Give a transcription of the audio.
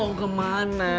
lo mau kemana